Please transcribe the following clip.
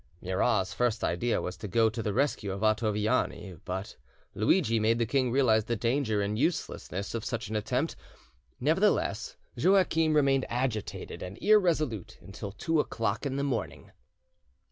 Murat's first idea was to go to the rescue of Ottoviani; but Luidgi made the king realise the danger and uselessness of such an attempt; nevertheless, Joachim remained agitated and irresolute until two o'clock in the morning.